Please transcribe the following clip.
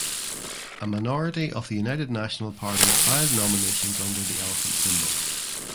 A minority of the United National Party filed nominations under the elephant symbol.